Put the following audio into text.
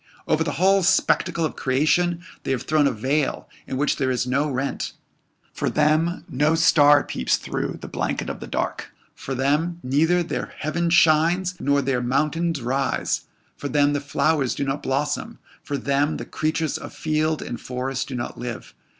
Over the whole spectacle of creation they have thrown a veil in which there is no rent. For them no star peeps through the blanket of the dark for them neither their heaven shines nor their mountains rise for them the flowers do not blossom for them the creatures of field and forest do not live.